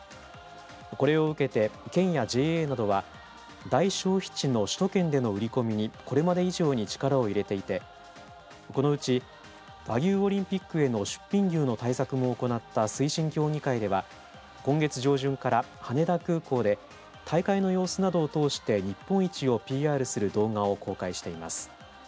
これを受けて、県やＪＡなどは大消費地の首都圏での売り込みにこれまで以上に力を入れていてこのうち和牛オリンピックへの出品牛の対策も行った推進協議会では今月上旬から羽田空港で大会の様子などを通して日本一をＰＲする動画を公開しています。